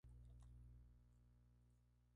Por ejemplo, en la tercera derivada ocurre que